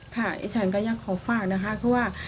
ค่ะฉันก็อยากขอฝากนะคะเพราะว่า